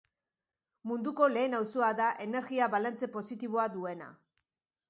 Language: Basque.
Munduko lehen auzoa da energia-balantze positiboa duena.